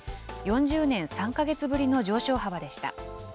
４０年３か月ぶりの上昇幅でした。